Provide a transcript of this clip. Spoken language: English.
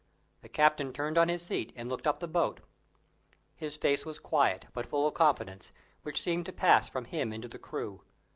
The captain turned on his seat, and looked up the boat. His face was quiet, but full of confidence, which seemed to pass from him into the crew.